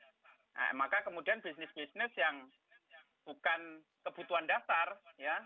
nah maka kemudian bisnis bisnis yang bukan kebutuhan dasar ya